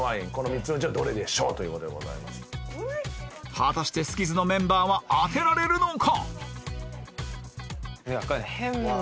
果たしてスキズのメンバーは当てられるのか？